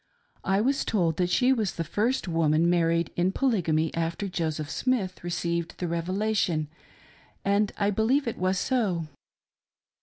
I was told that she was the first woman married in Polygamy after Joseph Smith received the Revelation, and I believe it was so.